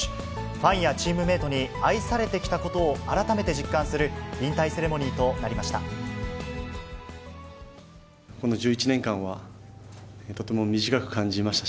ファンやチームメートに愛されてきたことを改めて実感する引退セレモニーとなりました。